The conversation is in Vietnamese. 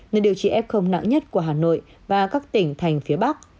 nơi điều trị f nặng nhất của hà nội và các tỉnh thành phía bắc